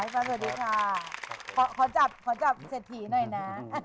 สวัสดีค่ะขอจับขอจับเศรษฐีหน่อยนะ